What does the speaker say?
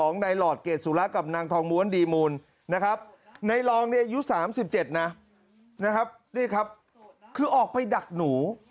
นะครับนี่ครับคือออกไปดักหนู